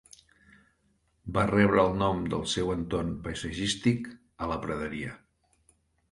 Va rebre el nom del seu entorn paisatgístic a la praderia.